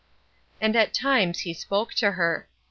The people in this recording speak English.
And at times he spoke to her.